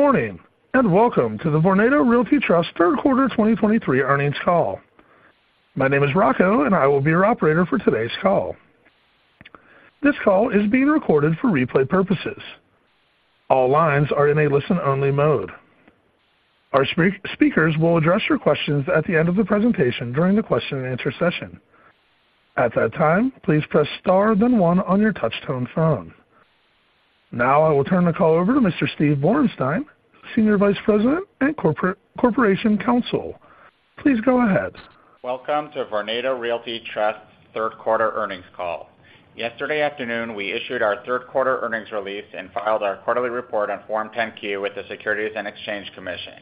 Good morning, and welcome to the Vornado Realty Trust third quarter 2023 earnings call. My name is Rocco, and I will be your operator for today's call. This call is being recorded for replay purposes. All lines are in a listen-only mode. Our speakers will address your questions at the end of the presentation during the question-and-answer session. At that time, please press Star, then one on your touchtone phone. Now I will turn the call over to Mr. Steve Borenstein, Senior Vice President and Corporation Counsel. Please go ahead. Welcome to Vornado Realty Trust's third quarter earnings call. Yesterday afternoon, we issued our third quarter earnings release and filed our quarterly report on Form 10-Q with the Securities and Exchange Commission.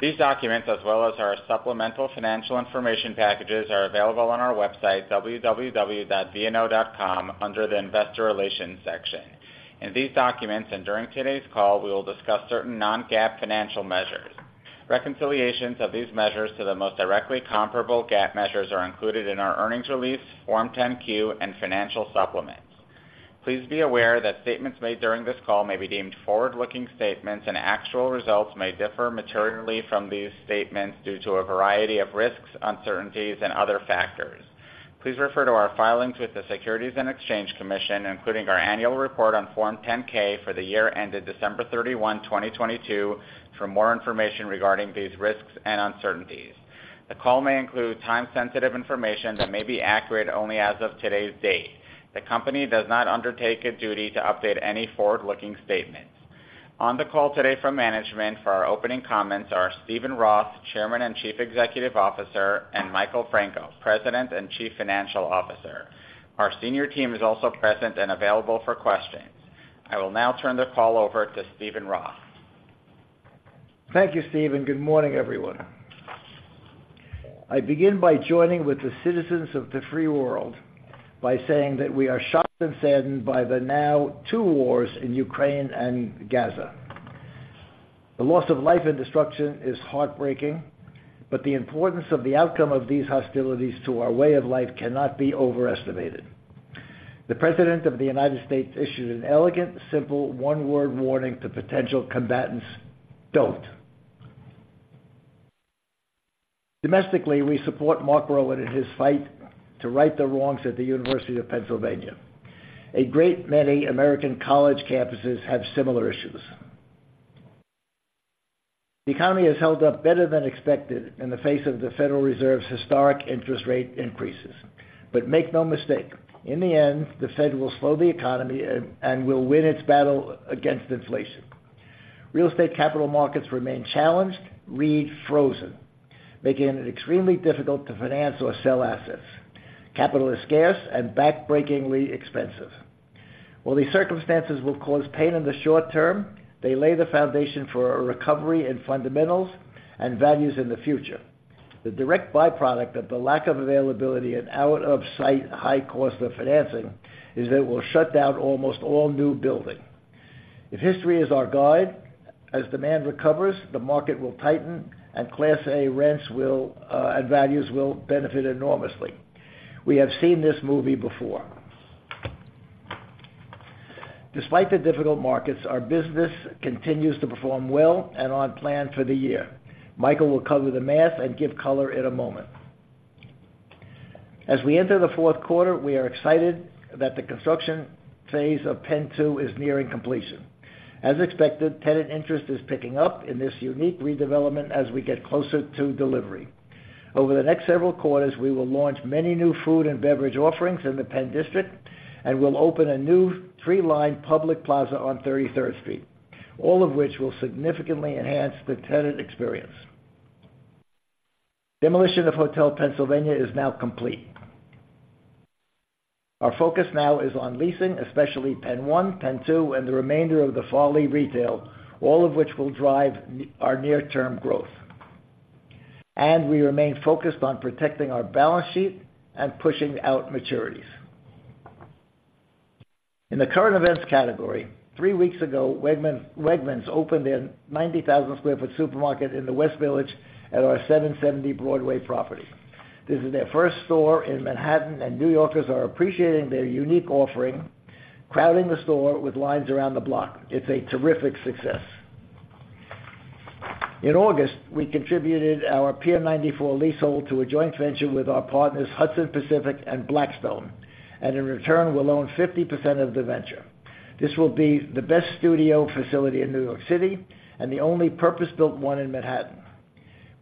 These documents, as well as our supplemental financial information packages, are available on our website, www.vno.com, under the Investor Relations section. In these documents, and during today's call, we will discuss certain non-GAAP financial measures. Reconciliations of these measures to the most directly comparable GAAP measures are included in our earnings release, Form 10-Q, and financial supplements. Please be aware that statements made during this call may be deemed forward-looking statements, and actual results may differ materially from these statements due to a variety of risks, uncertainties, and other factors. Please refer to our filings with the Securities and Exchange Commission, including our annual report on Form 10-K for the year ended December 31, 2022, for more information regarding these risks and uncertainties. The call may include time-sensitive information that may be accurate only as of today's date. The company does not undertake a duty to update any forward-looking statements. On the call today from management for our opening comments are Steven Roth, Chairman and Chief Executive Officer, and Michael Franco, President and Chief Financial Officer. Our senior team is also present and available for questions. I will now turn the call over to Steven Roth. Thank you, Steve, and good morning, everyone. I begin by joining with the citizens of the free world by saying that we are shocked and saddened by the now two wars in Ukraine and Gaza. The loss of life and destruction is heartbreaking, but the importance of the outcome of these hostilities to our way of life cannot be overestimated. The President of the United States issued an elegant, simple, one-word warning to potential combatants: Don't. Domestically, we support Mark Rowan in his fight to right the wrongs at the University of Pennsylvania. A great many American college campuses have similar issues. The economy has held up better than expected in the face of the Federal Reserve's historic interest rate increases. Make no mistake, in the end, the Fed will slow the economy and will win its battle against inflation. Real estate capital markets remain challenged, or frozen, making it extremely difficult to finance or sell assets. Capital is scarce and backbreakingly expensive. While these circumstances will cause pain in the short term, they lay the foundation for a recovery in fundamentals and values in the future. The direct byproduct of the lack of availability and out-of-sight high cost of financing is it will shut down almost all new building. If history is our guide, as demand recovers, the market will tighten, and Class A rents will, and values will benefit enormously. We have seen this movie before. Despite the difficult markets, our business continues to perform well and on plan for the year. Michael will cover the math and give color in a moment. As we enter the fourth quarter, we are excited that the construction phase of PENN 2 is nearing completion. As expected, tenant interest is picking up in this unique redevelopment as we get closer to delivery. Over the next several quarters, we will launch many new food and beverage offerings in the Penn District, and we'll open a new tree-lined public plaza on Thirty-third Street, all of which will significantly enhance the tenant experience. Demolition of Hotel Pennsylvania is now complete. Our focus now is on leasing, especially PENN 1, PENN 2, and the remainder of the Farley retail, all of which will drive our near-term growth. We remain focused on protecting our balance sheet and pushing out maturities. In the current events category, three weeks ago, Wegmans opened their 90,000 sq ft supermarket in the West Village at our 770 Broadway property. This is their first store in Manhattan, and New Yorkers are appreciating their unique offering, crowding the store with lines around the block. It's a terrific success. In August, we contributed our Pier 94 leasehold to a joint venture with our partners, Hudson Pacific and Blackstone, and in return, we'll own 50% of the venture. This will be the best studio facility in New York City and the only purpose-built one in Manhattan.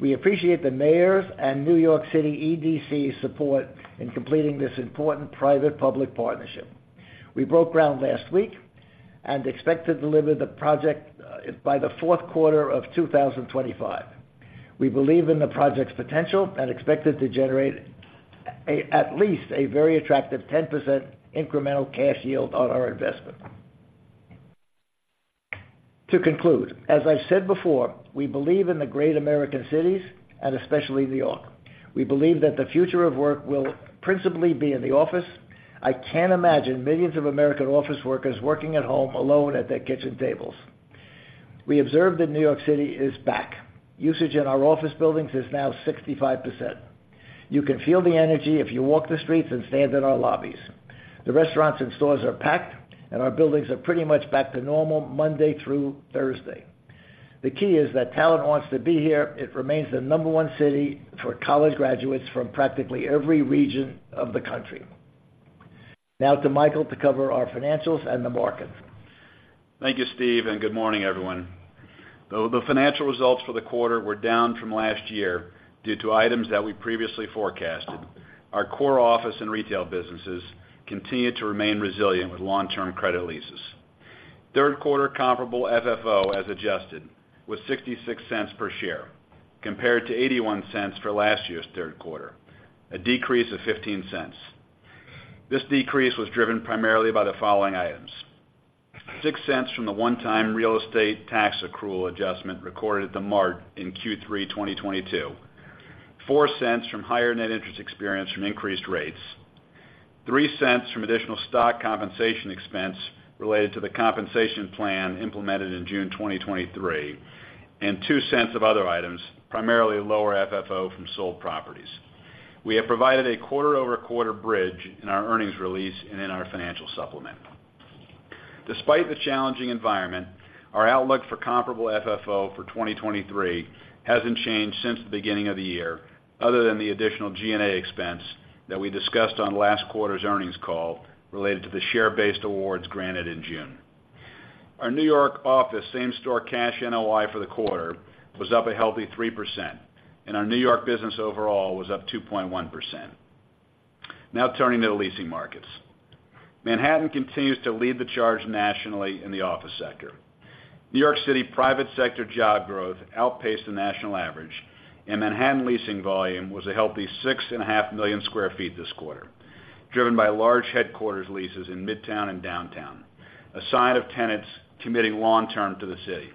We appreciate the mayor's and New York City EDC's support in completing this important private-public partnership. We broke ground last week and expect to deliver the project by the fourth quarter of 2025. We believe in the project's potential and expect it to generate at least a very attractive 10% incremental cash yield on our investment. To conclude, as I've said before, we believe in the great American cities and especially New York. We believe that the future of work will principally be in the office. I can't imagine millions of American office workers working at home alone at their kitchen tables. We observe that New York City is back. Usage in our office buildings is now 65%. You can feel the energy if you walk the streets and stand in our lobbies. The restaurants and stores are packed, and our buildings are pretty much back to normal Monday through Thursday. The key is that talent wants to be here. It remains the number one city for college graduates from practically every region of the country. Now to Michael to cover our financials and the market. Thank you, Steve, and good morning, everyone. Though the financial results for the quarter were down from last year due to items that we previously forecasted, our core office and retail businesses continued to remain resilient with long-term credit leases. Third quarter comparable FFO, as adjusted, was $0.66 per share, compared to $0.81 for last year's third quarter, a decrease of $0.15. This decrease was driven primarily by the following items: $0.06 from the one-time real estate tax accrual adjustment recorded at the Mart in Q3 2022, $0.04 from higher net interest expense from increased rates, $0.03 from additional stock compensation expense related to the compensation plan implemented in June 2023, and $0.02 of other items, primarily lower FFO from sold properties. We have provided a quarter-over-quarter bridge in our earnings release and in our financial supplement. Despite the challenging environment, our outlook for comparable FFO for 2023 hasn't changed since the beginning of the year, other than the additional G&A expense that we discussed on last quarter's earnings call related to the share-based awards granted in June. Our New York office same-store cash NOI for the quarter was up a healthy 3%, and our New York business overall was up 2.1%. Now turning to the leasing markets. Manhattan continues to lead the charge nationally in the office sector. New York City private sector job growth outpaced the national average, and Manhattan leasing volume was a healthy 6.5 million sq ft this quarter, driven by large headquarters leases in Midtown and Downtown, a sign of tenants committing long-term to the city.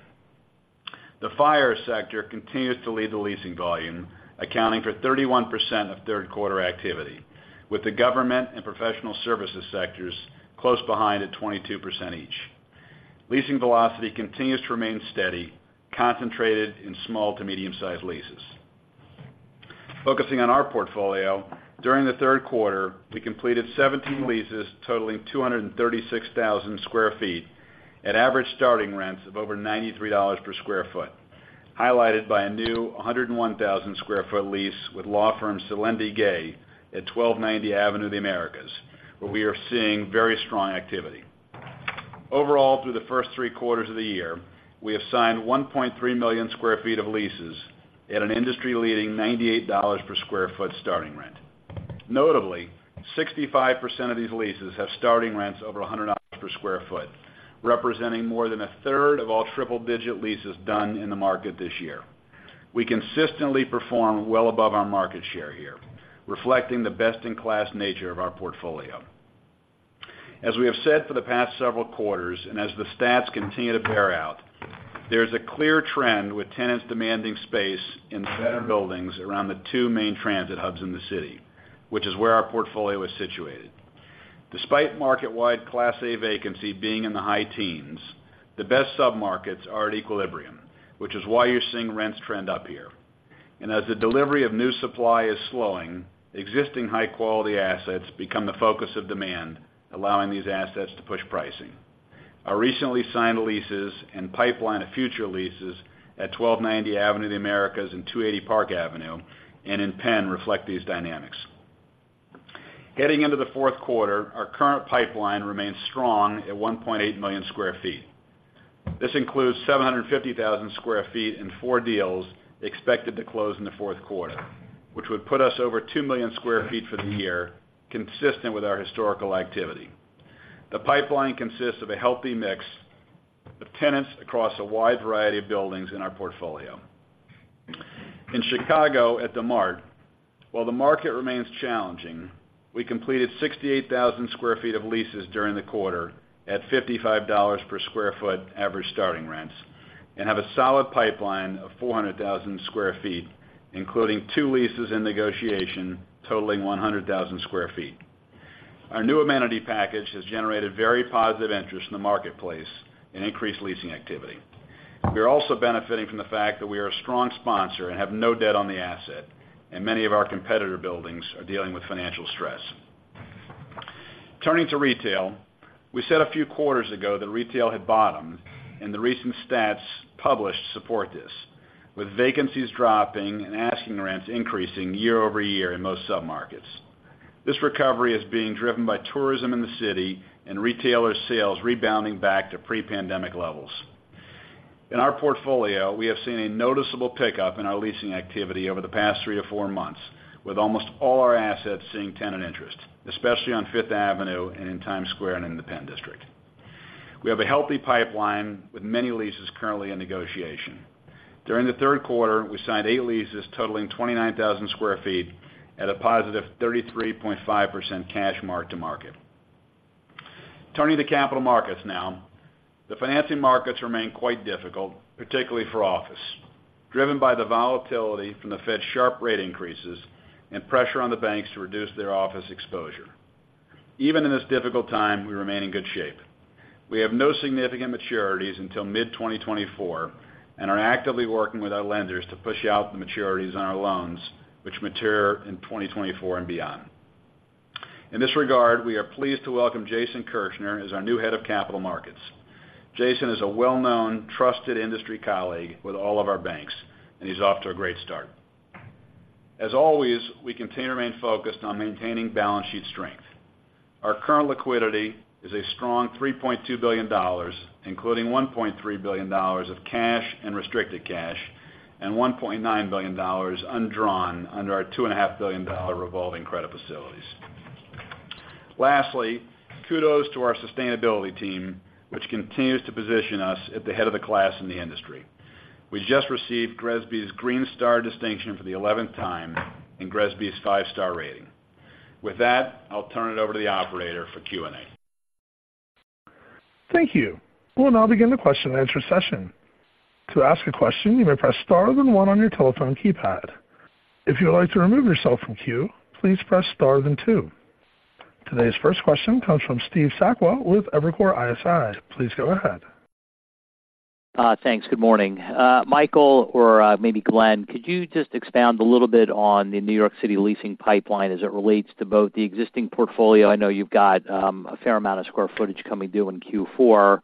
The FIRE sector continues to lead the leasing volume, accounting for 31% of third quarter activity, with the government and professional services sectors close behind at 22% each. Leasing velocity continues to remain steady, concentrated in small to medium-sized leases. Focusing on our portfolio, during the third quarter, we completed 17 leases totaling 236,000 sq ft at average starting rents of over $93 per sq ft, highlighted by a new 101,000 sq ft lease with law firm Sullivan & Cromwell at 1290 Avenue of the Americas, where we are seeing very strong activity. Overall, through the first three quarters of the year, we have signed 1.3 million sq ft of leases at an industry-leading $98 per sq ft starting rent. Notably, 65% of these leases have starting rents over $100 per sq ft, representing more than a third of all triple-digit leases done in the market this year. We consistently perform well above our market share here, reflecting the best-in-class nature of our portfolio. As we have said for the past several quarters, and as the stats continue to bear out, there's a clear trend with tenants demanding space in better buildings around the two main transit hubs in the city, which is where our portfolio is situated. Despite market-wide Class A vacancy being in the high teens, the best submarkets are at equilibrium, which is why you're seeing rents trend up here. As the delivery of new supply is slowing, existing high-quality assets become the focus of demand, allowing these assets to push pricing. Our recently signed leases and pipeline of future leases at 1290 Avenue of the Americas and 280 Park Avenue and in Penn reflect these dynamics. Heading into the fourth quarter, our current pipeline remains strong at 1.8 million sq ft. This includes 750,000 sq ft in four deals expected to close in the fourth quarter, which would put us over two million sq ft for the year, consistent with our historical activity. The pipeline consists of a healthy mix of tenants across a wide variety of buildings in our portfolio. In Chicago, at the Mart, while the market remains challenging, we completed 68,000 sq ft of leases during the quarter at $55 per sq ft average starting rents and have a solid pipeline of 400,000 sq ft, including two leases in negotiation totaling 100,000 sq ft. Our new amenity package has generated very positive interest in the marketplace and increased leasing activity. We are also benefiting from the fact that we are a strong sponsor and have no debt on the asset, and many of our competitor buildings are dealing with financial stress. Turning to retail, we said a few quarters ago that retail had bottomed, and the recent stats published support this, with vacancies dropping and asking rents increasing year over year in most submarkets. This recovery is being driven by tourism in the city and retailer sales rebounding back to pre-pandemic levels. In our portfolio, we have seen a noticeable pickup in our leasing activity over the past three or four months, with almost all our assets seeing tenant interest, especially on Fifth Avenue and in Times Square and in the Penn District. We have a healthy pipeline with many leases currently in negotiation. During the third quarter, we signed eight leases totaling 29,000 sq ft at a +33.5% cash mark-to-market. Turning to capital markets now. The financing markets remain quite difficult, particularly for office, driven by the volatility from the Fed's sharp rate increases and pressure on the banks to reduce their office exposure. Even in this difficult time, we remain in good shape. We have no significant maturities until mid-2024, and are actively working with our lenders to push out the maturities on our loans, which mature in 2024 and beyond. In this regard, we are pleased to welcome Jason Kirschner as our new head of Capital Markets. Jason is a well-known, trusted industry colleague with all of our banks, and he's off to a great start. As always, we continue to remain focused on maintaining balance sheet strength. Our current liquidity is a strong $3.2 billion, including $1.3 billion of cash and restricted cash, and $1.9 billion undrawn under our $2.5 billion revolving credit facilities. Lastly, kudos to our sustainability team, which continues to position us at the head of the class in the industry. We just received GRESB's Green Star distinction for the eleventh time in GRESB's five-star rating. With that, I'll turn it over to the operator for Q&A. Thank you. We'll now begin the question-and-answer session. To ask a question, you may press star then one on your telephone keypad. If you would like to remove yourself from queue, please press star then two. Today's first question comes from Steve Sakwa with Evercore ISI. Please go ahead. Thanks. Good morning. Michael, or maybe Glen, could you just expound a little bit on the New York City leasing pipeline as it relates to both the existing portfolio? I know you've got a fair amount of square footage coming due in Q4,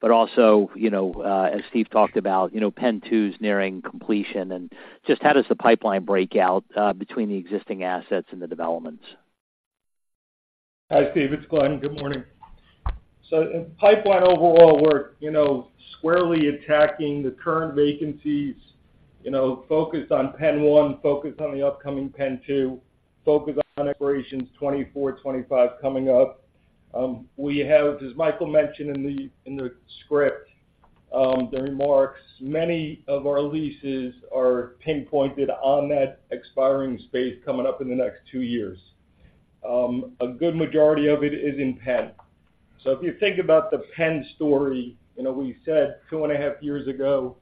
but also, you know, as Steve talked about, you know, PENN 2's nearing completion, and just how does the pipeline break out between the existing assets and the developments? Hi, Steve. It's Glen. Good morning. So in pipeline overall, we're, you know, squarely attacking the current vacancies, you know, focused on PENN 1, focused on the upcoming PENN 2, focused on operations 2024, 2025 coming up. We have, as Michael mentioned in the, in the script, the remarks, many of our leases are pinpointed on that expiring space coming up in the next two years. A good majority of it is in Penn. So if you think about the Penn story, you know, we said two and a half years ago,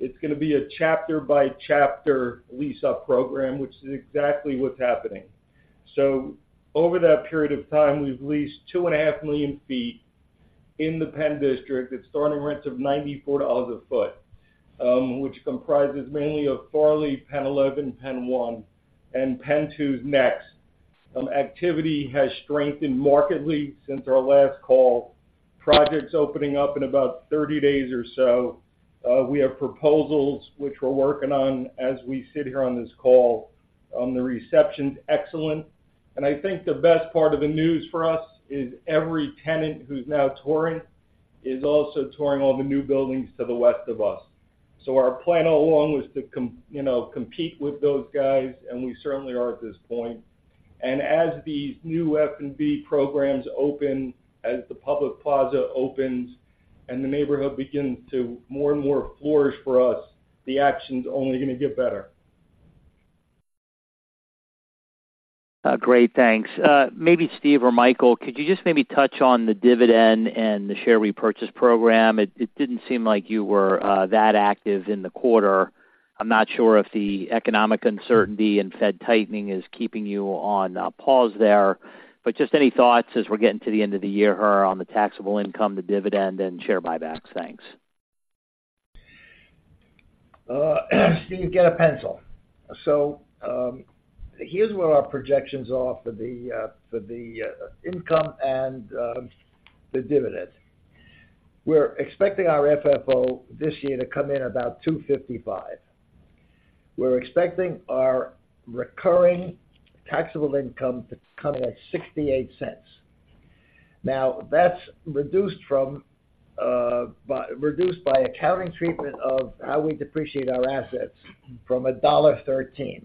it's gonna be a chapter-by-chapter lease-up program, which is exactly what's happening. So over that period of time, we've leased 2.5 million feet in The Penn District. It's starting rents of $94 a foot, which comprises mainly of The Farley Building, PENN 11, PENN 1, and PENN 2's next. Activity has strengthened markedly since our last call. Project's opening up in about 30 days or so. We have proposals which we're working on as we sit here on this call. The reception's excellent, and I think the best part of the news for us is every tenant who's now touring is also touring all the new buildings to the west of us. So our plan all along was to—you know, compete with those guys, and we certainly are at this point. And as these new F&B programs open, as the public plaza opens, and the neighborhood begins to more and more flourish for us, the action's only gonna get better. Great, thanks. Maybe Steve or Michael, could you just maybe touch on the dividend and the share repurchase program? It didn't seem like you were that active in the quarter. I'm not sure if the economic uncertainty and Fed tightening is keeping you on pause there, but just any thoughts as we're getting to the end of the year on the taxable income, the dividend, and share buybacks? Thanks. Steve, get a pencil. So, here's where our projections are for the income and the dividend. We're expecting our FFO this year to come in about $2.55. We're expecting our recurring taxable income to come in at $0.68. Now, that's reduced by accounting treatment of how we depreciate our assets from $1.13.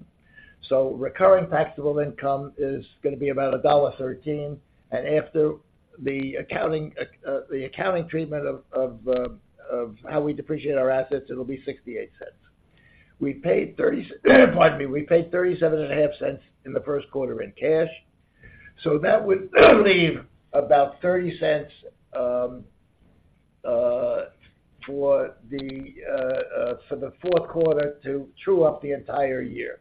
So recurring taxable income is gonna be about $1.13, and after the accounting treatment of how we depreciate our assets, it'll be $0.68. We paid 30, pardon me, we paid $0.375 in the first quarter in cash, so that would leave about $0.30 for the fourth quarter to true up the entire year.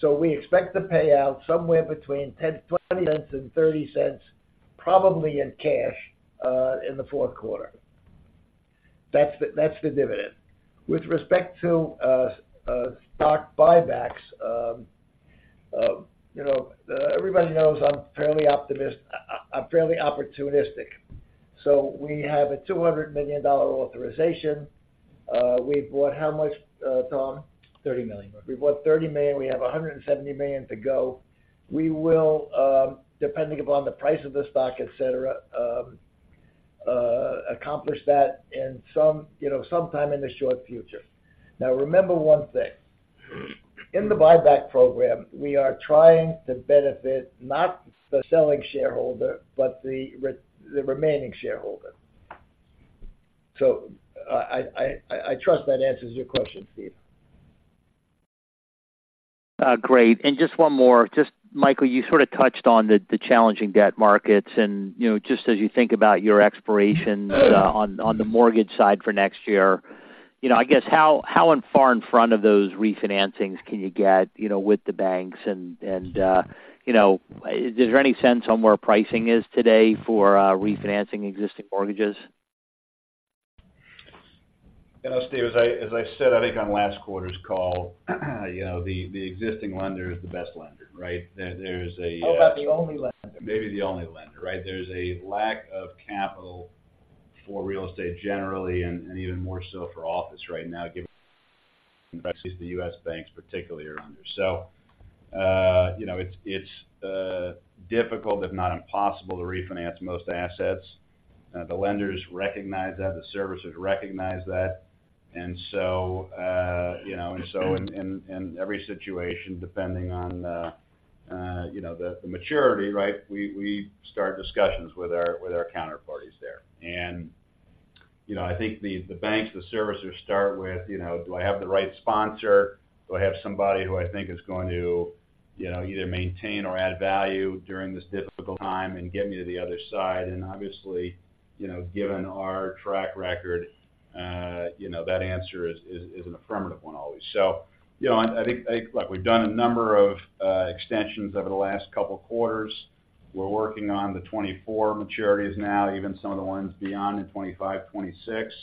So we expect to pay out somewhere between $0.10, $0.20 and $0.30, probably in cash, in the fourth quarter. That's the, that's the dividend. With respect to stock buybacks, you know, everybody knows I'm fairly opportunistic. So we have a $200 million authorization. We've bought how much, Tom? $30 million. We've bought $30 million. We have $170 million to go. We will, depending upon the price of the stock, et cetera, accomplish that in some, you know, sometime in the short future. Now, remember one thing: in the buyback program, we are trying to benefit not the selling shareholder, but the remaining shareholder. So I trust that answers your question, Steve. Great. And just one more. Just Michael, you sort of touched on the challenging debt markets and, you know, just as you think about your expirations on the mortgage side for next year. You know, I guess, how far in front of those refinancings can you get, you know, with the banks? And, you know, is there any sense on where pricing is today for refinancing existing mortgages? You know, Steve, as I said, I think on last quarter's call, you know, the existing lender is the best lender, right? There's a. How about the only lender? Maybe the only lender, right? There's a lack of capital for real estate generally, and even more so for office right now, given the U.S. banks particularly are under. So, you know, it's difficult, if not impossible, to refinance most assets. The lenders recognize that, the servicers recognize that. And so, you know, and so in every situation, depending on, you know, the maturity, right, we start discussions with our counterparties there. And, you know, I think the banks, the servicers start with, you know, do I have the right sponsor? Do I have somebody who I think is going to, you know, either maintain or add value during this difficult time and get me to the other side? Obviously, you know, given our track record, you know, that answer is an affirmative one, always. So, you know, I think, like, we've done a number of extensions over the last couple of quarters. We're working on the 2024 maturities now, even some of the ones beyond in 2025, 2026,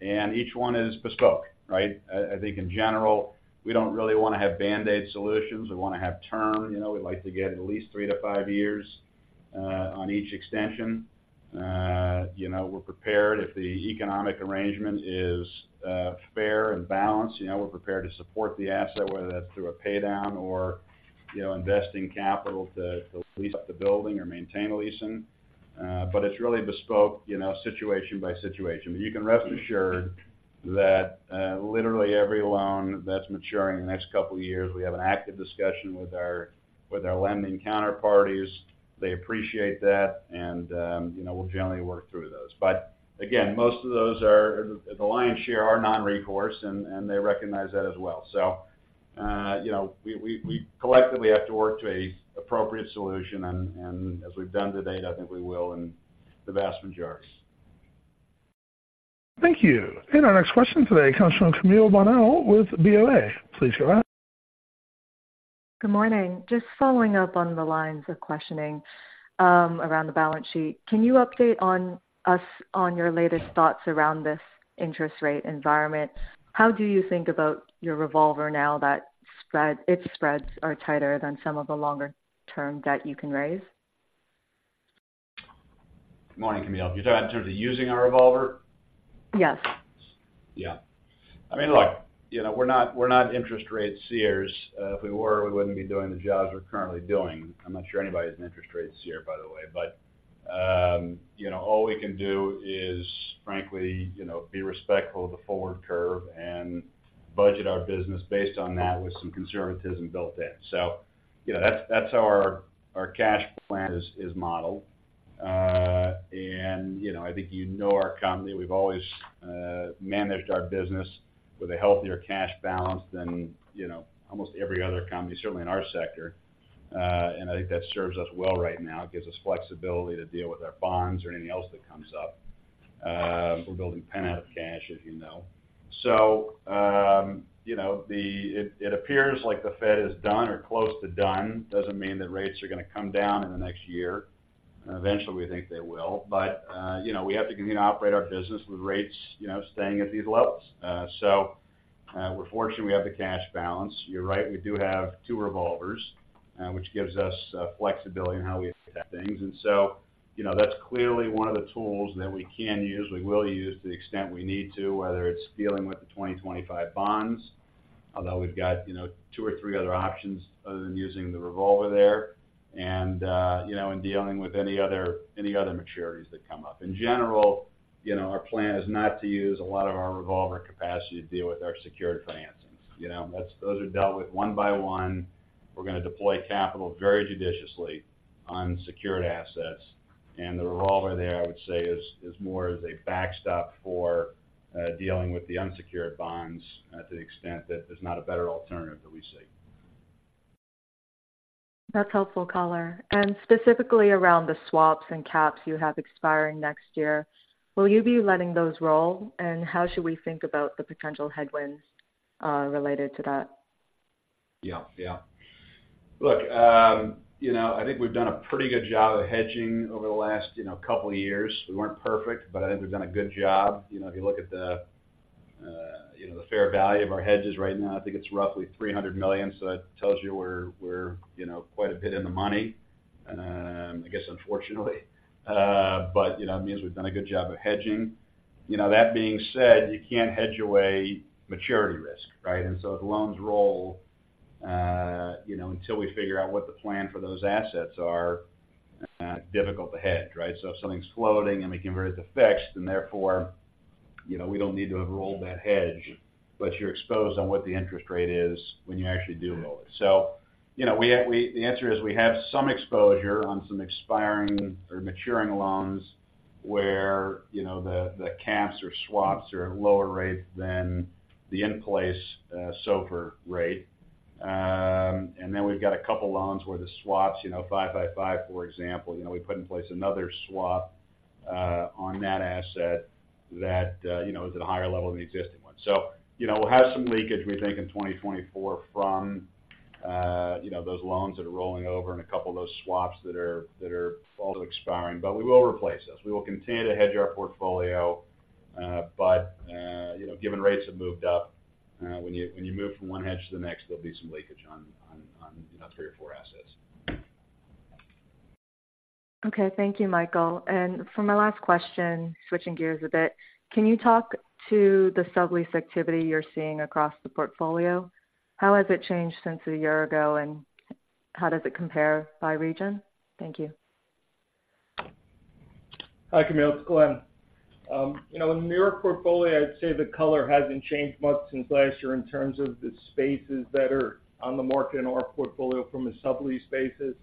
and each one is bespoke, right? I think in general, we don't really want to have band-aid solutions. We wanna have term. You know, we'd like to get at least three to five years on each extension. You know, we're prepared, if the economic arrangement is fair and balanced, you know, we're prepared to support the asset, whether that's through a pay down or, you know, investing capital to lease up the building or maintain a leasing. But it's really bespoke, you know, situation by situation. But you can rest assured that literally every loan that's maturing in the next couple of years, we have an active discussion with our lending counterparties. They appreciate that, and you know, we'll generally work through those. But again, most of those are, the lion's share are non-recourse, and they recognize that as well. So you know, we collectively have to work to an appropriate solution, and as we've done to date, I think we will in the vast majority. Thank you. Our next question today comes from Camille Bonnel with BOA. Please go ahead. Good morning. Just following up on the lines of questioning around the balance sheet. Can you update us on your latest thoughts around this interest rate environment? How do you think about your revolver now that its spreads are tighter than some of the longer-term debt you can raise? Good morning, Camille. You're talking in terms of using our revolver? Yes. Yeah. I mean, look, you know, we're not, we're not interest rate seers. If we were, we wouldn't be doing the jobs we're currently doing. I'm not sure anybody's an interest rate seer, by the way. But, you know, all we can do is, frankly, you know, be respectful of the forward curve and budget our business based on that, with some conservatism built in. So, you know, that's, that's how our, our cash plan is, is modeled. And, you know, I think you know our company. We've always, managed our business with a healthier cash balance than, you know, almost every other company, certainly in our sector. And I think that serves us well right now. It gives us flexibility to deal with our bonds or anything else that comes up. We're building PENN out of cash, as you know. So, you know, it appears like the Fed is done or close to done. Doesn't mean that rates are gonna come down in the next year. Eventually, we think they will. But, you know, we have to continue to operate our business with rates, you know, staying at these levels. So, we're fortunate we have the cash balance. You're right, we do have two revolvers, which gives us flexibility in how we look at things. And so, you know, that's clearly one of the tools that we can use, we will use to the extent we need to, whether it's dealing with the 2025 bonds, although we've got, you know, two or three other options other than using the revolver there. And, you know, in dealing with any other maturities that come up. In general, you know, our plan is not to use a lot of our revolver capacity to deal with our secured financings. You know, that's, those are dealt with one by one. We're gonna deploy capital very judiciously on secured assets, and the revolver there, I would say, is more as a backstop for dealing with the unsecured bonds to the extent that there's not a better alternative that we see. That's helpful, caller. And specifically around the swaps and caps you have expiring next year, will you be letting those roll? And how should we think about the potential headwinds related to that? Yeah, yeah. Look, you know, I think we've done a pretty good job of hedging over the last, you know, couple of years. We weren't perfect, but I think we've done a good job. You know, if you look at the, you know, the fair value of our hedges right now, I think it's roughly $300 million, so that tells you we're, you know, quite a bit in the money, I guess, unfortunately. But, you know, it means we've done a good job of hedging. You know, that being said, you can't hedge away maturity risk, right? And so if the loans roll, you know, until we figure out what the plan for those assets are, difficult to hedge, right? So if something's floating and we convert it to fixed, then therefore, you know, we don't need to roll that hedge, but you're exposed on what the interest rate is when you actually do roll it. So, you know, the answer is, we have some exposure on some expiring or maturing loans where, you know, the caps or swaps are at lower rate than the in-place SOFR rate. And then we've got a couple loans where the swaps, you know, five by five, for example, you know, we put in place another swap on that asset that, you know, is at a higher level than the existing one. So, you know, we'll have some leakage, we think, in 2024 from, you know, those loans that are rolling over and a couple of those swaps that are also expiring. But we will replace those. We will continue to hedge our portfolio, but you know, given rates have moved up, when you move from one hedge to the next, there'll be some leakage on you know, three or four assets. Okay, thank you, Michael. For my last question, switching gears a bit, can you talk to the sublease activity you're seeing across the portfolio? How has it changed since a year ago, and how does it compare by region? Thank you. Hi, Camille, it's Glen. You know, in the New York portfolio, I'd say the color hasn't changed much since last year in terms of the spaces that are on the market in our portfolio from a sublease basis.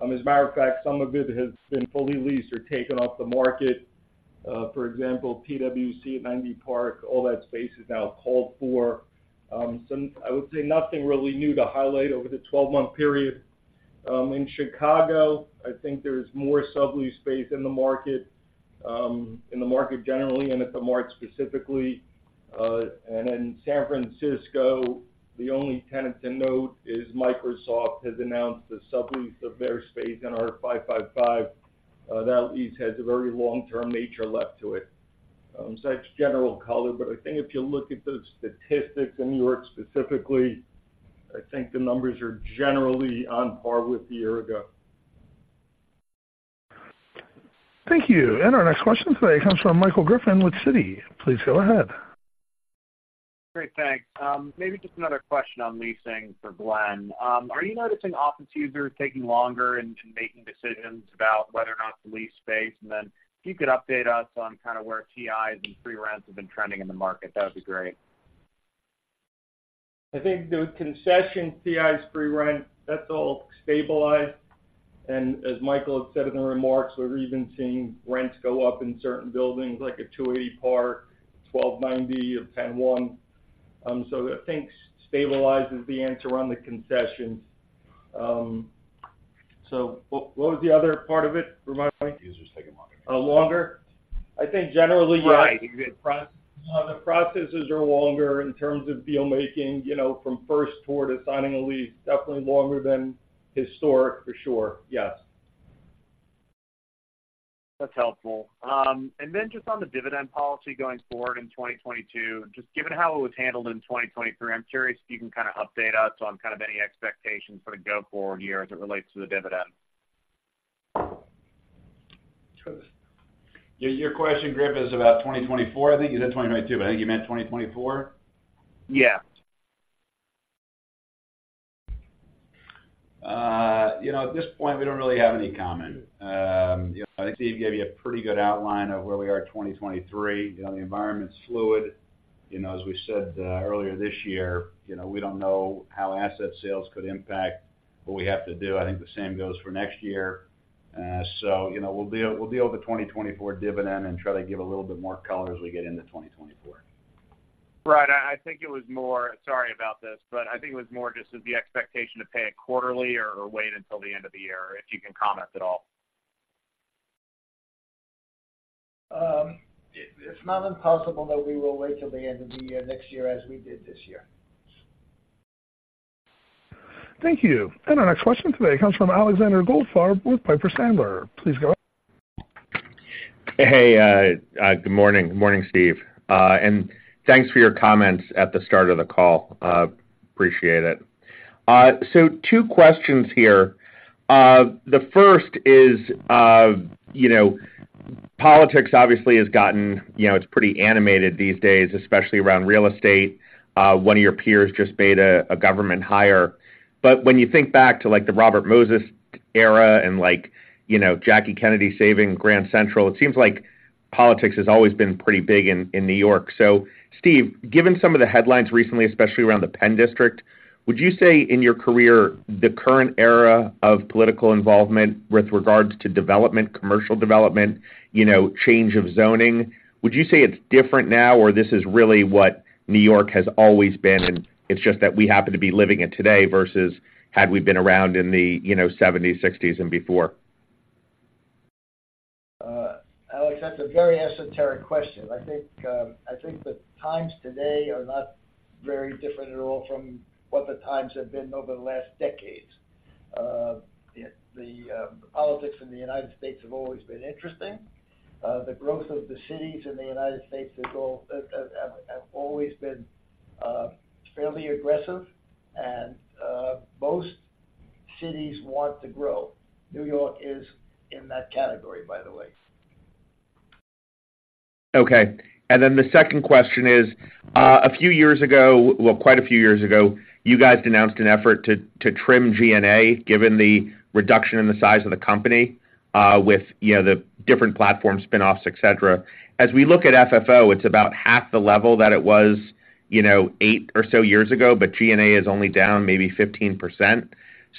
As a matter of fact, some of it has been fully leased or taken off the market. For example, PwC at 90 Park Avenue, all that space is now called for. I would say nothing really new to highlight over the 12-month period. In Chicago, I think there's more sublease space in the market, in the market generally, and at the Mart specifically. And in San Francisco, the only tenant to note is Microsoft has announced a sublease of their space in our 555. That lease has a very long-term nature left to it. So that's general color, but I think if you look at the statistics in New York specifically, I think the numbers are generally on par with a year ago. Thank you. Our next question today comes from Michael Griffin with Citi. Please go ahead. Great, thanks. Maybe just another question on leasing for Glen. Are you noticing office users taking longer in making decisions about whether or not to lease space? And then if you could update us on kind of where TIs and free rents have been trending in the market, that would be great. I think the concession TIs free rent, that's all stabilized. And as Michael had said in the remarks, we're even seeing rents go up in certain buildings, like at 280 Park, 1290, or 101. So I think stabilizes the answer on the concessions. So what, what was the other part of it, remind me? Users taking longer. Longer? I think generally. Right. The processes are longer in terms of deal making, you know, from first tour to signing a lease. Definitely longer than historic, for sure. Yes. That's helpful. And then just on the dividend policy going forward in 2022, just given how it was handled in 2023, I'm curious if you can kind of update us on kind of any expectations for the go-forward year as it relates to the dividend. Your question, Griff, is about 2024? I think you said 2022, but I think you meant 2024. Yeah. You know, at this point, we don't really have any comment. You know, I think Steve gave you a pretty good outline of where we are in 2023. You know, the environment's fluid. You know, as we said, earlier this year, you know, we don't know how asset sales could impact what we have to do. I think the same goes for next year. So, you know, we'll deal, we'll deal with the 2024 dividend and try to give a little bit more color as we get into 2024. Right. I think it was more... Sorry about this, but I think it was more just as the expectation to pay it quarterly or wait until the end of the year, if you can comment at all. It's not impossible that we will wait till the end of the year next year, as we did this year. Thank you. Our next question today comes from Alexander Goldfarb with Piper Sandler. Please go ahead. Hey, good morning. Good morning, Steve. Thanks for your comments at the start of the call. Appreciate it. Two questions here. The first is, you know, politics obviously has gotten, you know, it's pretty animated these days, especially around real estate. One of your peers just made a government hire. But when you think back to, like, the Robert Moses era and, like, you know, Jackie Kennedy saving Grand Central, it seems like politics has always been pretty big in New York. So Steve, given some of the headlines recently, especially around the Penn District, would you say in your career, the current era of political involvement with regards to development, commercial development, you know, change of zoning, would you say it's different now, or this is really what New York has always been, and it's just that we happen to be living it today versus had we been around in the, you know, seventies, sixties, and before? Alex, that's a very esoteric question. I think the times today are not very different at all from what the times have been over the last decades. The politics in the United States have always been interesting. The growth of the cities in the United States has always been fairly aggressive, and most cities want to grow. New York is in that category, by the way. Okay. And then the second question is, a few years ago, well, quite a few years ago, you guys announced an effort to trim G&A, given the reduction in the size of the company, with, you know, the different platform spinoffs, et cetera. As we look at FFO, it's about half the level that it was, you know, eight or so years ago, but G&A is only down maybe 15%.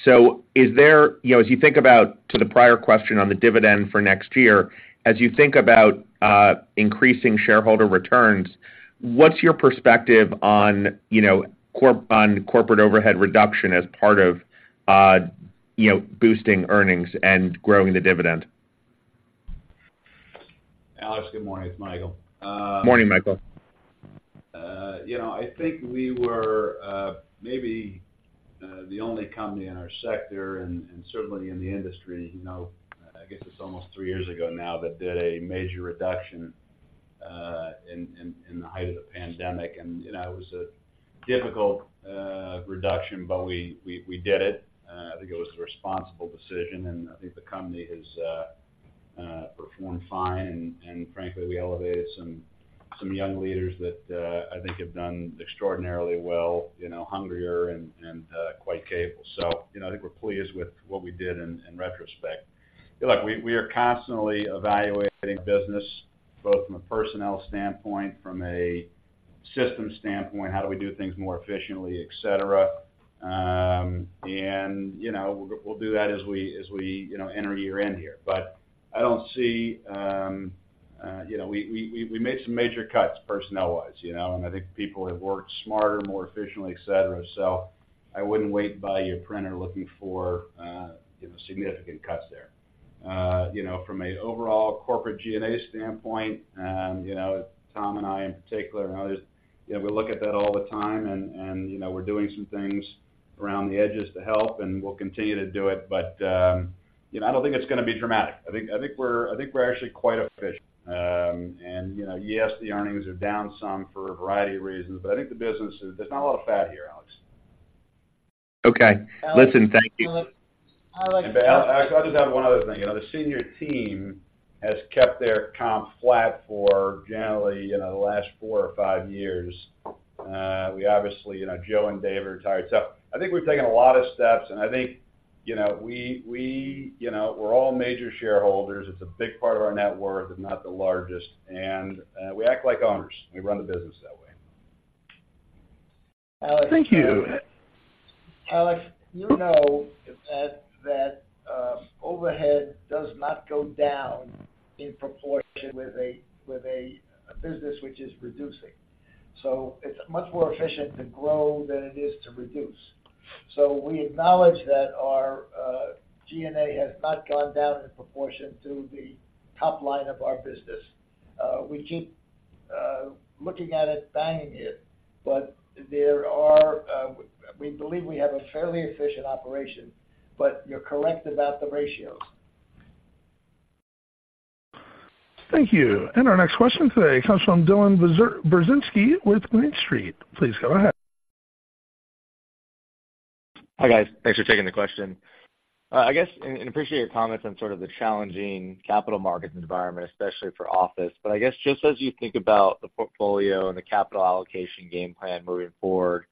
So is there—you know, as you think about the prior question on the dividend for next year, as you think about increasing shareholder returns, what's your perspective on, you know, corporate overhead reduction as part of, you know, boosting earnings and growing the dividend? Alex, good morning. It's Michael. Morning, Michael. You know, I think we were maybe the only company in our sector and certainly in the industry. You know, I guess it's almost three years ago now that did a major reduction in the height of the pandemic. And, you know, it was a difficult reduction, but we did it. I think it was a responsible decision, and I think the company has performed fine, and frankly, we elevated some young leaders that I think have done extraordinarily well. You know, hungrier and quite capable. So, you know, I think we're pleased with what we did in retrospect. Look, we are constantly evaluating business, both from a personnel standpoint, from a system standpoint, how do we do things more efficiently, et cetera. And, you know, we'll do that as we, you know, enter year-end here. But I don't see... You know, we made some major cuts, personnel-wise, you know, and I think people have worked smarter, more efficiently, et cetera. So I wouldn't wait by your printer looking for, you know, significant cuts there. You know, from an overall corporate G&A standpoint, you know, Tom and I, in particular, and others, you know, we look at that all the time and, you know, we're doing some things around the edges to help, and we'll continue to do it. But, you know, I don't think it's gonna be dramatic. I think we're actually quite efficient. You know, yes, the earnings are down some for a variety of reasons, but I think the business is... There's not a lot of fat here, Alex. Okay. Listen, thank you. Alex- And Alex, I just have one other thing. You know, the senior team has kept their comp flat for generally, you know, the last four or five years. We obviously, you know, Joe and Dave are retired, so I think we've taken a lot of steps, and I think, you know, we, you know, we're all major shareholders. It's a big part of our net worth, if not the largest, and we act like owners. We run the business that way. Thank you. Alex, you know that overhead does not go down in proportion with a business which is reducing. So it's much more efficient to grow than it is to reduce. So we acknowledge that our G&A has not gone down in proportion to the top line of our business. We keep looking at it, banging it, but there are... We believe we have a fairly efficient operation, but you're correct about the ratios. Thank you. Our next question today comes from Dylan Burzinski with Green Street. Please go ahead. Hi, guys. Thanks for taking the question. I guess and appreciate your comments on sort of the challenging capital markets environment, especially for office. But I guess, just as you think about the portfolio and the capital allocation game plan moving forward,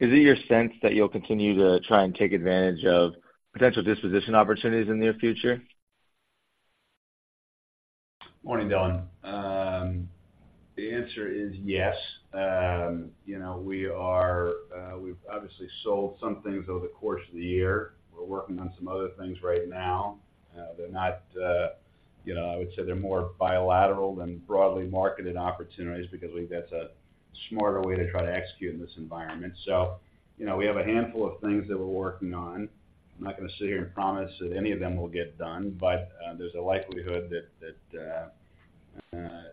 is it your sense that you'll continue to try and take advantage of potential disposition opportunities in the near future? Morning, Dylan. The answer is yes. You know, we are—we've obviously sold some things over the course of the year. We're working on some other things right now. They're not, you know... I would say they're more bilateral than broadly marketed opportunities because we think that's a smarter way to try to execute in this environment. So, you know, we have a handful of things that we're working on. I'm not going to sit here and promise that any of them will get done, but there's a likelihood that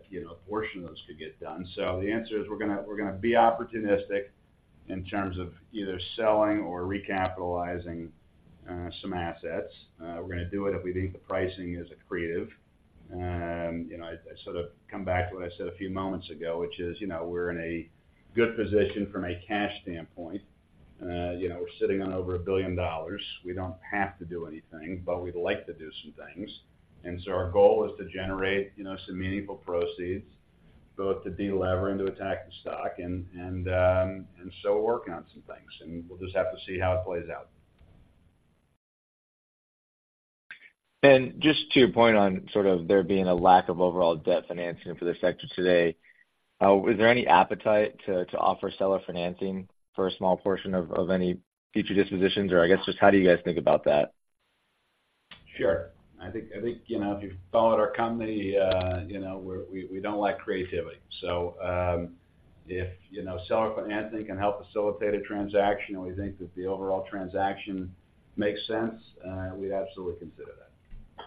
you know, a portion of those could get done. So the answer is, we're gonna, we're gonna be opportunistic in terms of either selling or recapitalizing some assets. We're gonna do it if we think the pricing is accretive. You know, I sort of come back to what I said a few moments ago, which is, you know, we're in a good position from a cash standpoint. You know, we're sitting on over $1 billion. We don't have to do anything, but we'd like to do some things. And so our goal is to generate, you know, some meaningful proceeds, both to delever and to attack the stock. And so we're working on some things, and we'll just have to see how it plays out. Just to your point on sort of there being a lack of overall debt financing for this sector today, is there any appetite to offer seller financing for a small portion of any future dispositions? Or I guess, just how do you guys think about that? Sure. I think you know, if you've followed our company, you know, we don't like creativity. So, if you know, seller financing can help facilitate a transaction and we think that the overall transaction makes sense, we'd absolutely consider that.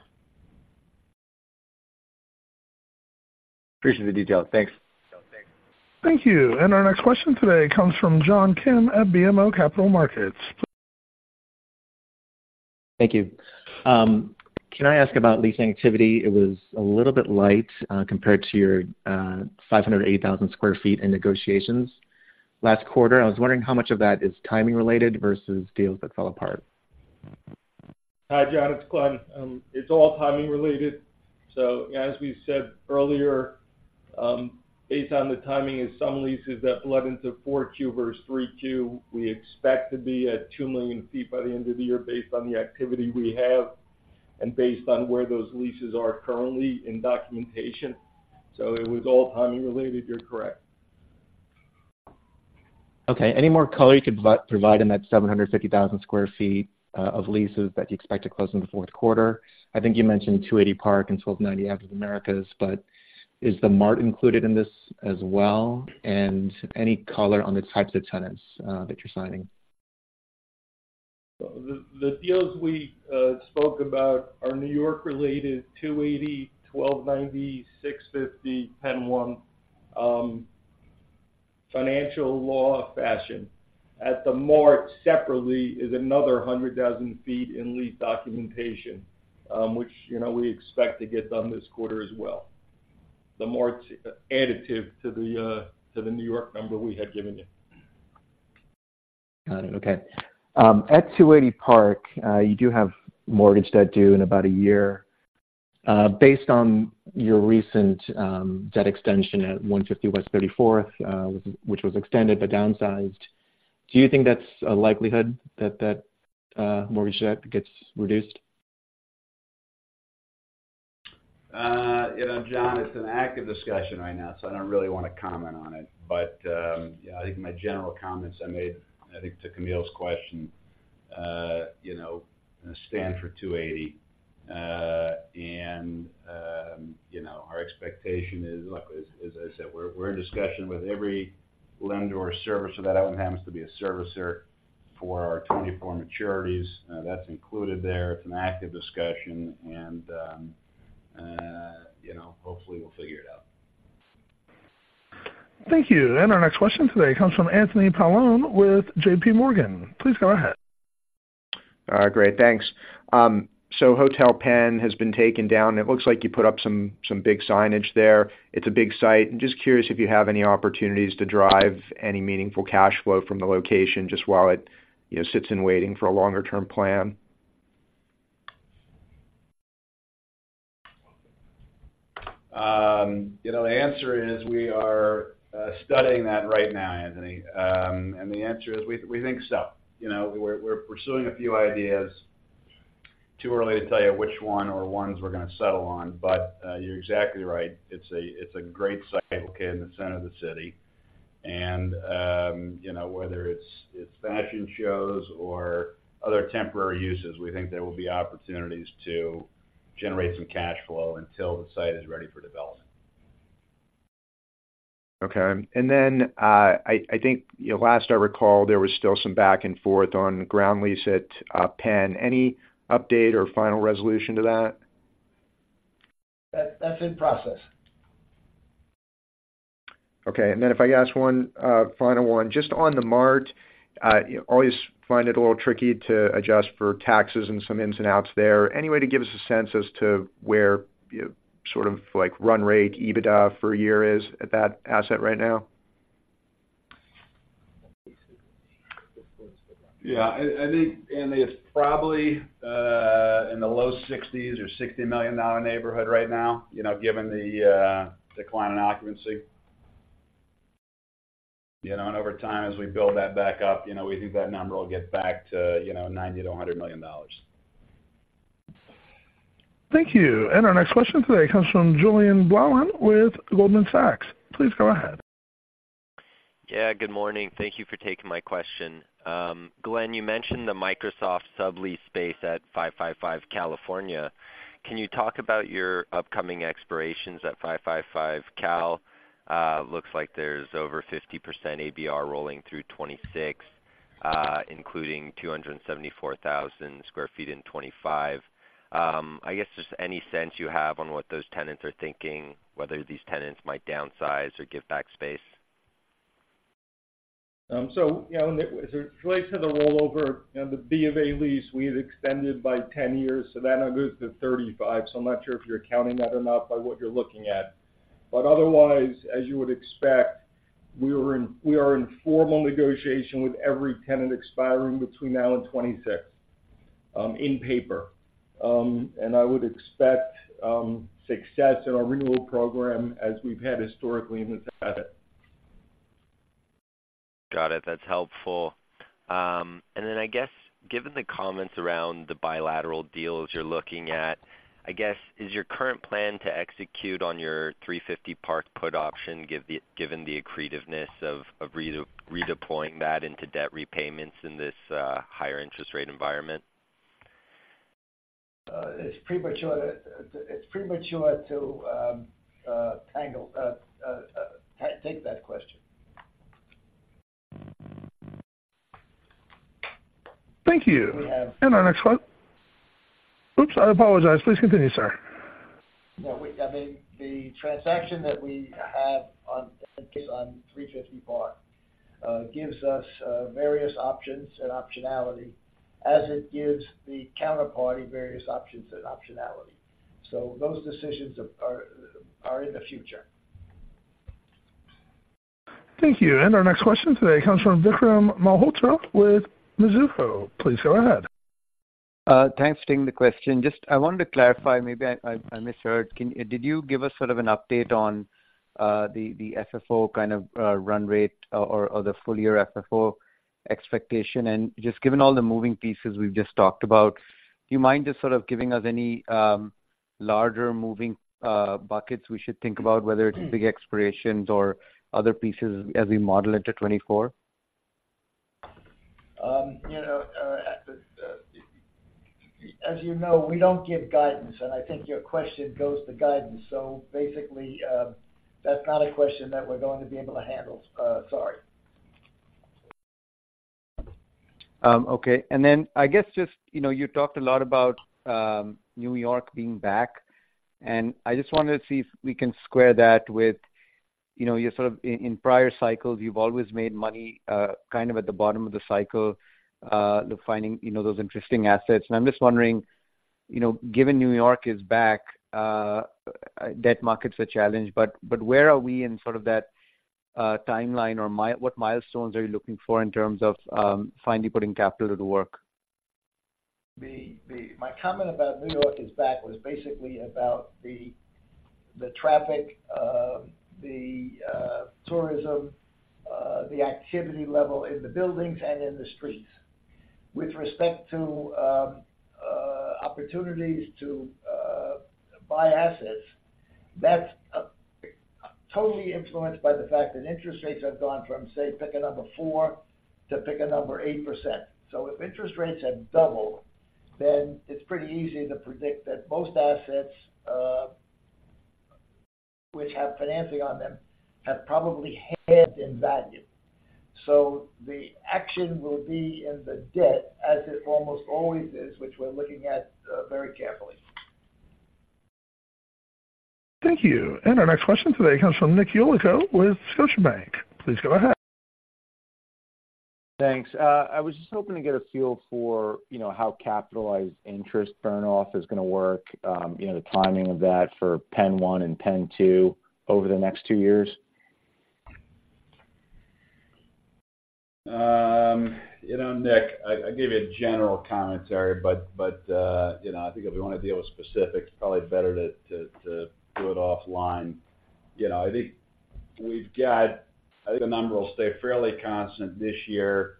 Appreciate the detail. Thanks. Yeah. Thanks. Thank you. Our next question today comes from John Kim at BMO Capital Markets. Thank you. Can I ask about leasing activity? It was a little bit light compared to your 580,000 sq ft in negotiations last quarter. I was wondering how much of that is timing related versus deals that fell apart? Hi, John, it's Glen. It's all timing related. So as we said earlier, based on the timing of some leases that bled into 4Q versus 3Q, we expect to be at two million feet by the end of the year based on the activity we have and based on where those leases are currently in documentation. So it was all timing related. You're correct. Okay. Any more color you could provide on that 750,000 sq ft of leases that you expect to close in the fourth quarter? I think you mentioned 280 Park and 1290 Avenue of the Americas, but is The Mart included in this as well? And any color on the types of tenants that you're signing? So the, the deals we spoke about are New York-related, 280, 1290, 650, 101, financial law fashion. At the Mart, separately, is another 100,000 sq ft in lease documentation, which, you know, we expect to get done this quarter as well. The Mart's additive to the, to the New York number we had given you. Got it. Okay. At 280 Park, you do have mortgage debt due in about a year. Based on your recent debt extension at 150 West 34th, which was extended but downsized, do you think that's a likelihood that that mortgage debt gets reduced? You know, John, it's an active discussion right now, so I don't really wanna comment on it. But, yeah, I think my general comments I made, I think, to Camille's question, you know, stand for Two Eighty. And, you know, our expectation is, look, as I said, we're in discussion with every lender or servicer that happens to be a servicer for our 24 maturities. That's included there. It's an active discussion, and, you know, hopefully we'll figure it out. Thank you. And our next question today comes from Anthony Paolone with JPMorgan. Please go ahead. Great. Thanks. So Hotel Penn has been taken down, and it looks like you put up some, some big signage there. It's a big site. I'm just curious if you have any opportunities to drive any meaningful cash flow from the location, just while it, you know, sits in waiting for a longer-term plan. You know, the answer is we are studying that right now, Anthony. And the answer is, we, we think so. You know, we're, we're pursuing a few ideas. Too early to tell you which one or ones we're gonna settle on, but, you're exactly right. It's a, it's a great site located in the center of the city, and, you know, whether it's, it's fashion shows or other temporary uses, we think there will be opportunities to generate some cash flow until the site is ready for development. Okay. And then, I think, you know, last I recall, there was still some back and forth on ground lease at Penn. Any update or final resolution to that? That, that's in process. Okay. And then if I could ask one, final one. Just on the Mart, always find it a little tricky to adjust for taxes and some ins and outs there. Any way to give us a sense as to where, you know, sort of like run rate, EBITDA for a year is at that asset right now? Yeah, I, I think, and it's probably in the low 60s or $60 million neighborhood right now, you know, given the decline in occupancy. You know, and over time, as we build that back up, you know, we think that number will get back to, you know, $90 million-$100 million. Thank you. And our next question today comes from Julien Blouin with Goldman Sachs. Please go ahead. Yeah, good morning. Thank you for taking my question. Glen, you mentioned the Microsoft sublease space at 555 California. Can you talk about your upcoming expirations at 555 Cal? Looks like there's over 50% ABR rolling through 2026, including 274,000 sq ft in 2025. I guess, just any sense you have on what those tenants are thinking, whether these tenants might downsize or give back space? So, you know, as it relates to the rollover and the B of A lease, we've extended by 10 years, so that now goes to 35. So I'm not sure if you're counting that or not by what you're looking at. But otherwise, as you would expect, we are in formal negotiation with every tenant expiring between now and 2026, in paper. And I would expect success in our renewal program as we've had historically in the past. Got it. That's helpful. And then I guess, given the comments around the bilateral deals you're looking at, I guess, is your current plan to execute on your 350 Park put option, given the accretiveness of redeploying that into debt repayments in this higher interest rate environment? It's premature to take that question. Thank you. We, have And our next one... Oops, I apologize. Please continue, sir. Yeah, we—I mean, the transaction that we have on 350 Park gives us various options and optionality as it gives the counterparty various options and optionality. So those decisions are in the future. Thank you. Our next question today comes from Vikram Malhotra with Mizuho. Please go ahead. Thanks for taking the question. Just, I wanted to clarify, maybe I misheard. Did you give us sort of an update on the FFO kind of run rate or the full year FFO expectation? And just given all the moving pieces we've just talked about, do you mind just sort of giving us any larger moving buckets we should think about, whether it's big expirations or other pieces as we model into 2024? You know, at the. As you know, we don't give guidance, and I think your question goes to guidance. Basically, that's not a question that we're going to be able to handle. Sorry. Okay. And then I guess just, you know, you talked a lot about New York being back, and I just wanted to see if we can square that with, you know, you're sort of in, in prior cycles, you've always made money kind of at the bottom of the cycle defining, you know, those interesting assets. And I'm just wondering, you know, given New York is back, debt markets are challenged, but, but where are we in sort of that timeline or what milestones are you looking for in terms of finally putting capital to work? My comment about New York is back, was basically about the traffic, the tourism, the activity level in the buildings and in the streets. With respect to opportunities to buy assets, that's totally influenced by the fact that interest rates have gone from, say, pick a number 4, to pick a number 8%. So if interest rates have doubled, then it's pretty easy to predict that most assets, which have financing on them, have probably halved in value. So the action will be in the debt, as it almost always is, which we're looking at very carefully. Thank you. Our next question today comes from Nick Yulico with Scotiabank. Please go ahead. Thanks. I was just hoping to get a feel for, you know, how capitalized Interest burn off is going to work, you know, the timing of that for PENN 1 and PENN 2 over the next two years. You know, Nick, I gave you a general commentary, but you know, I think if we want to deal with specifics, it's probably better to do it offline. You know, I think we've got. I think the number will stay fairly constant this year.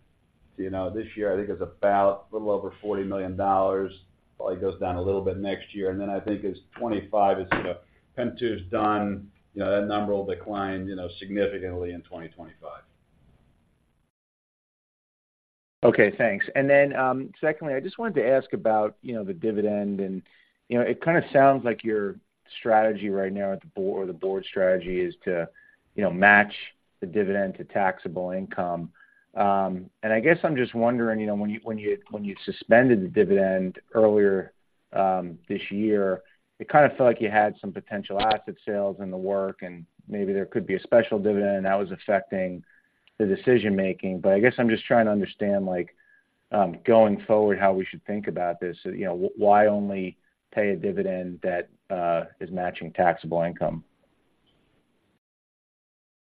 You know, this year, I think it's about a little over $40 million. Probably goes down a little bit next year, and then I think it's $25 million is going to, PENN 2's done. You know, that number will decline, you know, significantly in 2025. Okay, thanks. And then, secondly, I just wanted to ask about, you know, the dividend, and, you know, it kind of sounds like your strategy right now at the board, or the board strategy is to, you know, match the dividend to taxable income. And I guess I'm just wondering, you know, when you suspended the dividend earlier, this year, it kind of felt like you had some potential asset sales in the works, and maybe there could be a special dividend, and that was affecting the decision making. But I guess I'm just trying to understand, like, going forward, how we should think about this. You know, why only pay a dividend that is matching taxable income?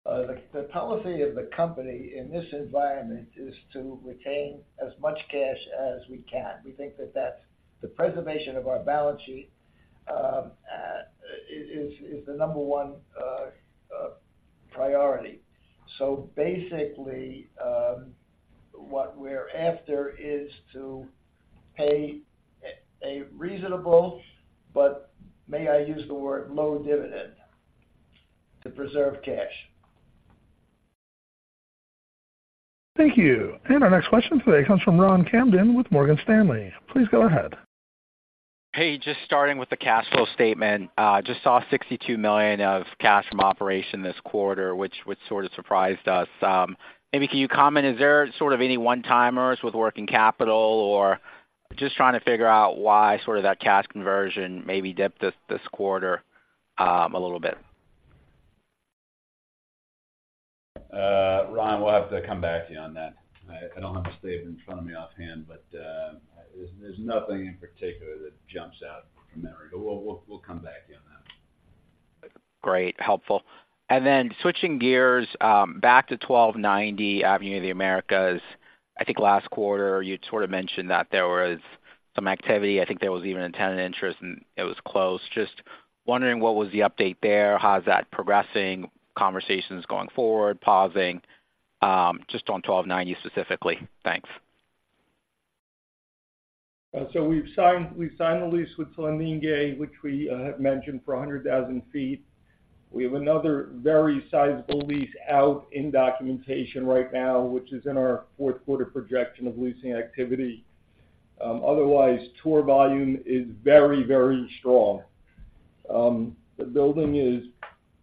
The policy of the company in this environment is to retain as much cash as we can. We think that that's the preservation of our balance sheet is the number one priority. So basically, what we're after is to pay a reasonable, but may I use the word low dividend, to preserve cash. Thank you. Our next question today comes from Ron Kamden with Morgan Stanley. Please go ahead. Hey, just starting with the cash flow statement, just saw $62 million of cash from operation this quarter, which sort of surprised us. Maybe can you comment, is there sort of any one-timers with working capital or just trying to figure out why sort of that cash conversion maybe dipped this quarter, a little bit? Ron, we'll have to come back to you on that. I don't have the statement in front of me offhand, but there's nothing in particular that jumps out from memory, but we'll come back to you on that. Great, helpful. And then switching gears back to 1290 Avenue of the Americas. I think last quarter you'd sort of mentioned that there was some activity. I think there was even a tenant interest, and it was closed. Just wondering, what was the update there? How's that progressing, conversations going forward, pausing? Just on 1290 specifically. Thanks. So we've signed, we've signed a lease with Sullivan & Cromwell, which we have mentioned for 100,000 sq ft. We have another very sizable lease out in documentation right now, which is in our fourth quarter projection of leasing activity. Otherwise, tour volume is very, very strong. The building is,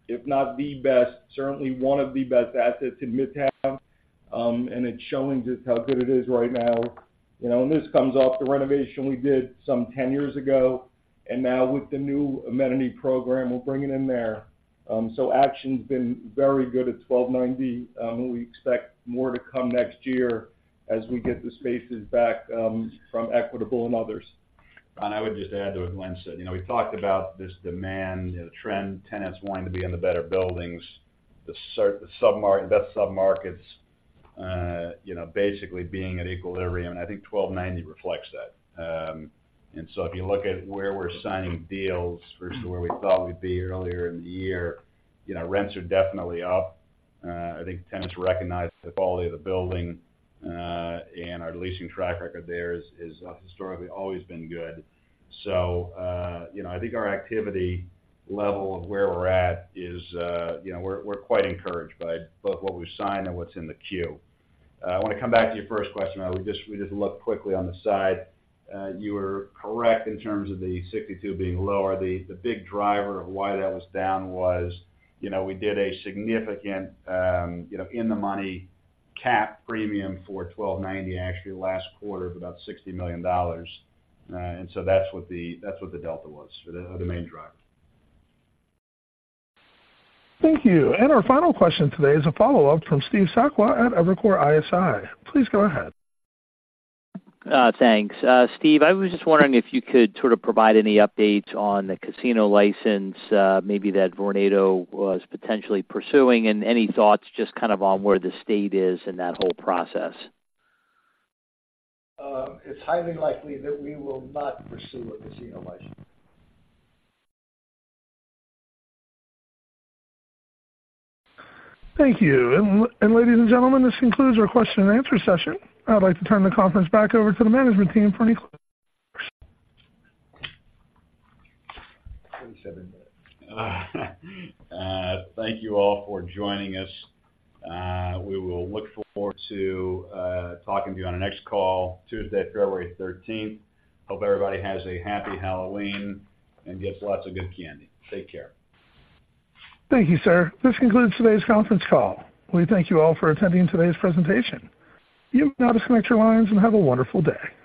if not the best, certainly one of the best assets in Midtown, and it's showing just how good it is right now. You know, and this comes off the renovation we did some 10 years ago, and now with the new amenity program we're bringing in there. So action's been very good at 1290, and we expect more to come next year as we get the spaces back from Equitable and others. I would just add to what Glen said. You know, we talked about this demand, you know, trend, tenants wanting to be in the better buildings, the submarket, best submarkets, you know, basically being at equilibrium, and I think Twelve ninety reflects that. And so if you look at where we're signing deals versus where we thought we'd be earlier in the year, you know, rents are definitely up. I think tenants recognize the quality of the building, and our leasing track record there is historically always been good. So, you know, I think our activity level of where we're at is, you know, we're quite encouraged by both what we've signed and what's in the queue. I want to come back to your first question. We just looked quickly on the side. You were correct in terms of the 62 being lower. The big driver of why that was down was, you know, we did a significant, you know, in the money cap premium for 1290, actually last quarter of about $60 million. And so that's what the delta was for the main driver. Thank you. Our final question today is a follow-up from Steve Sakwa at Evercore ISI. Please go ahead. Thanks. Steve, I was just wondering if you could sort of provide any updates on the casino license, maybe that Vornado was potentially pursuing, and any thoughts just kind of on where the state is in that whole process? It's highly likely that we will not pursue a casino license. Thank you. And ladies and gentlemen, this concludes our question-and-answer session. I'd like to turn the conference back over to the management team for any. Thank you all for joining us. We will look forward to talking to you on our next call, Tuesday, February 13th. Hope everybody has a happy Halloween and gets lots of good candy. Take care. Thank you, sir. This concludes today's conference call. We thank you all for attending today's presentation. You may now disconnect your lines and have a wonderful day.